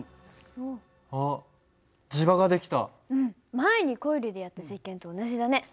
前にコイルでやった実験と同じだね。